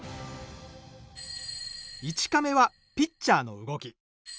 １カメはピッチャーの動き